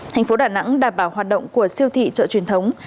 thành phố đà nẵng đảm bảo hoạt động của siêu thị chợ truyền thống